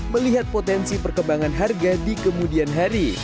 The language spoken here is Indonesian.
melihat potensi perkembangan harga di kemudian hari